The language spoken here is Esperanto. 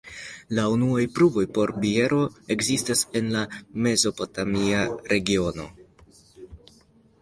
La unuaj pruvoj por biero ekzistas en la mezopotamia regiono.